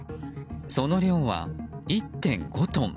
その量は１．５トン。